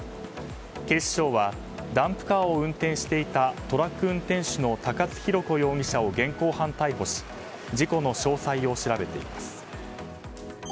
警視庁はダンプカーを運転していたトラック運転手の高津浩子容疑者を現行犯逮捕し事故の詳細を調べています。